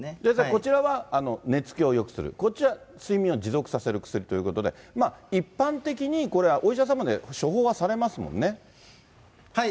こちらは寝つきをよくする、こちら、睡眠を持続させる薬ということで、一般的にこれはお医者さまで処方はされますもんね。